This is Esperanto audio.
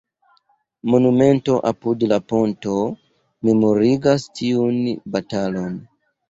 Monumento apud la ponto memorigas tiun batalon.